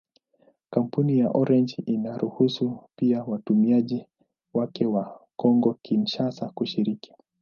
Kampuni ya Orange inaruhusu pia watumiaji wake wa Kongo-Kinshasa kushiriki.